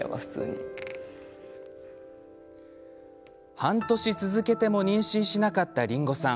半年続けても妊娠しなかったりんごさん。